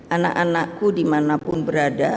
anak anakku dimanapun berada